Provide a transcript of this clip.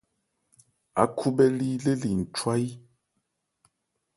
Ákhúbhɛ́lí le li nchwayí.